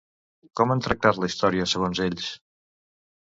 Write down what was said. Com han tractat la història, segons ells?